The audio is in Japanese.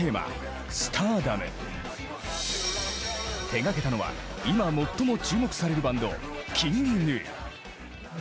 手がけたのは今最も注目されるバンドＫｉｎｇＧｎｕ。